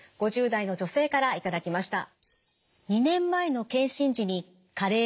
５０代の女性から頂きました。